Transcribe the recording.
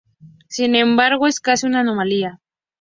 Sin embargo, es casi una anomalía".